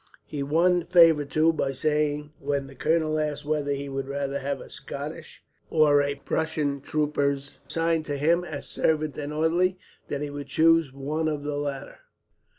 He won favour, too, by saying, when the colonel asked whether he would rather have a Scottish or a Prussian trooper assigned to him, as servant and orderly, that he would choose one of the latter.